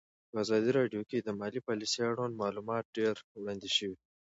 په ازادي راډیو کې د مالي پالیسي اړوند معلومات ډېر وړاندې شوي.